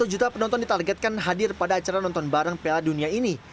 satu juta penonton ditargetkan hadir pada acara nonton bareng piala dunia ini